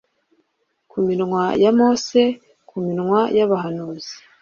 Ku minwa ya Mose ku minwa y'abahanuzi